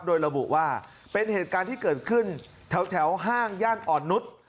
โดยระบุว่าเป็นเหตุการณ์ที่เกิดขึ้นแถวห้างย่านอ่อนนุษย์